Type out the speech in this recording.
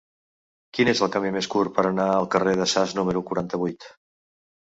Quin és el camí més curt per anar al carrer de Sas número quaranta-vuit?